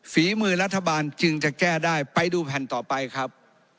ฝีมือรัฐบาลจึงจะแก้ได้ไปดูแผ่นต่อไปครับ